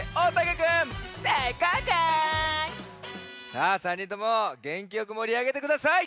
さあ３にんともげんきよくもりあげてください。